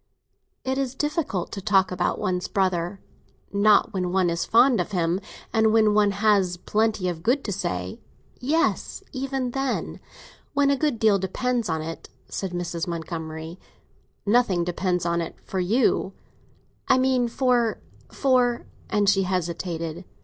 "It is difficult to talk about one's brother." "Not when one is fond of him, and when one has plenty of good to say." "Yes, even then, when a good deal depends on it," said Mrs. Montgomery. "Nothing depends on it, for you." "I mean for—for—" and she hesitated.